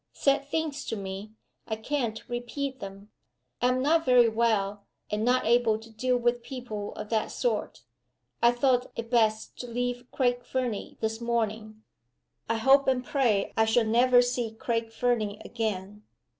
Said things to me I can't repeat them. I am not very well, and not able to deal with people of that sort. I thought it best to leave Craig Fernie this morning. I hope and pray I shall never see Craig Fernie again."